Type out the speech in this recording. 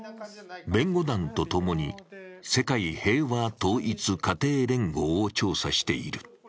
弁護団と共に、世界平和統一家庭連合を調査している。